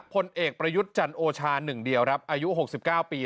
พลเอกประยุทธ์จันโอชา๑เดียวครับอายุ๖๙ปี